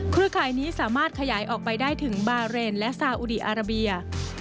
ร่ายนี้สามารถขยายออกไปได้ถึงบาเรนและซาอุดีอาราเบีย